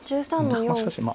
しかしまあ。